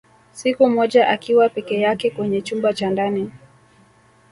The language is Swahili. Siku moja akiwa peke yake kwenye chumba cha ndani